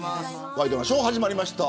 ワイドナショー、始まりました。